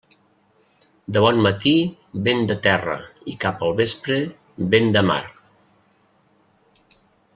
De bon matí vent de terra i cap al vespre vent de mar.